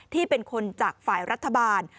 ที่เป็นคนจากฝ่ายรัฐบาล